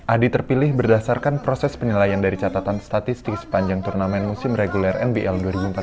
adi terpilih berdasarkan proses penilaian dari catatan statistik sepanjang turnamen musim reguler nbl dua ribu empat belas